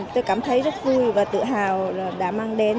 tôi cảm thấy rất vui và tự hào đã mang đến